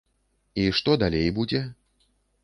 І што далей будзе?